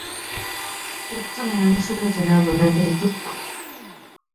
옥점이는 술을 들며 눈을 내리 떴다.